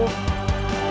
adalah arya banyu